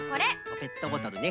ペットボトルね。